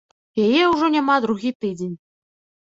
Яе ўжо няма другі тыдзень.